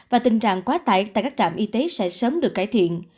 và tình trạng quá tải tại các trạm y tế sẽ sớm được cải thiện